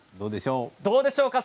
どうでしょうか。